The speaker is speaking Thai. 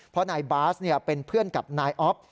เพราะนายบาสเป็นเพื่อนกับนายอ๊อฟ